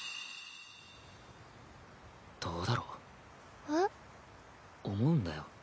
どうだろ？えっ？思うんだよ。